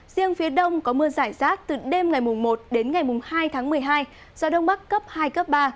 riêng phía đông có mưa giải rác từ đêm ngày một đến ngày hai tháng một mươi hai gió đông bắc cấp hai cấp ba